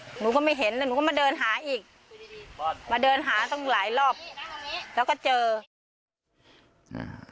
หนูก็ไม่เห็นแล้วหนูก็มาเดินหาอีกมาเดินหาตั้งหลายรอบแล้วก็เจออ่า